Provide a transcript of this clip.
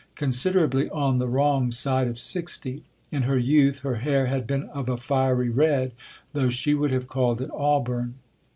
Considerably on the wrong side of sixty !— In her youth her hair had been of a fiery red ; though she would have called it auburn.